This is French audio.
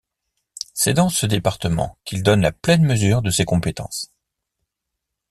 C’est dans ce département qu’il donne la pleine mesure de ses compétences.